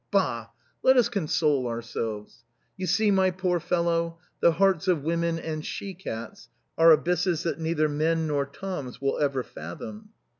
Bah! let us console ourselves. You see, my poor fellow, the hearts of women and she cats are abysses that neither men nor toms will ever fathom."